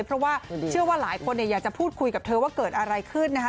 เพราะว่าเชื่อว่าหลายคนอยากจะพูดคุยกับเธอว่าเกิดอะไรขึ้นนะคะ